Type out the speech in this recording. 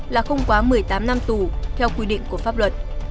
là không quá một mươi tám năm tù theo quy định của pháp luật